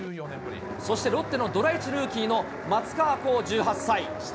そしてロッテのドラ１ルーキーの松川こう１８歳。